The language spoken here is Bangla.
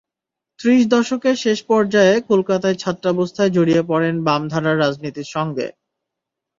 ত্রিশ দশকের শেষ পর্যায়ে কলকাতায় ছাত্রাবস্থায় জড়িয়ে পড়েন বাম ধারার রাজনীতির সঙ্গে।